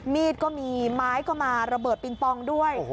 มีดก็มีไม้ก็มาระเบิดปิงปองด้วย